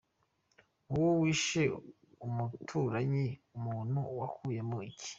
Wowe wishe umuturanyi, umuntu, wakuyemo iki?